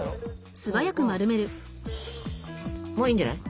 もういいんじゃない。